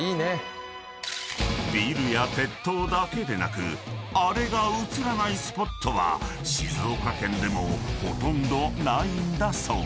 ［ビルや鉄塔だけでなくあれが写らないスポットは静岡県でもほとんどないんだそう］